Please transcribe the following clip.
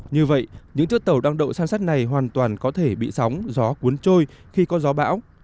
như vậy những chiếc tàu đang đậu san sắt này hoàn toàn có thể bị sóng gió cuốn trôi khi có gió bão